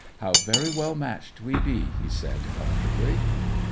'How very well matched we be!' he said, comfortably.